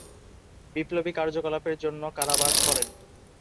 বিপ্লবী কার্যকলাপের জন্য কারাবাস করেন।